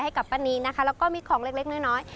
กับป้านีนะคะแล้วก็มีของเล็กน้อย